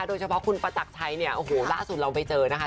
โดยเฉพาะคุณประจักรชัยเนี่ยโอ้โหล่าสุดเราไปเจอนะคะ